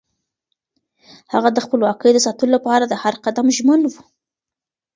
هغه د خپلواکۍ د ساتلو لپاره د هر قدم ژمن و.